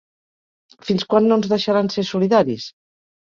Fins quan no ens deixaran ser solidaris?